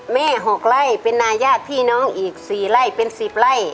๖ไร่เป็นนายญาติพี่น้องอีก๔ไร่เป็น๑๐ไร่